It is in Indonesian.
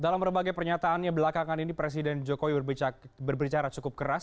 dalam berbagai pernyataannya belakangan ini presiden jokowi berbicara cukup keras